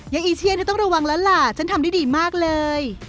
อีเชียนเธอต้องระวังแล้วล่ะฉันทำได้ดีมากเลย